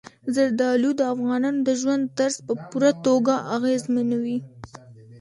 زردالو د افغانانو د ژوند طرز په پوره توګه اغېزمنوي.